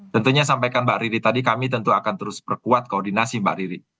tentunya sampaikan mbak riri tadi kami tentu akan terus perkuat koordinasi mbak riri